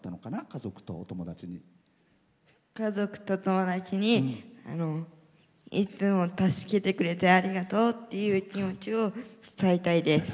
家族と友達にいつも助けてくれてありがとうっていう気持ちを伝えたいです。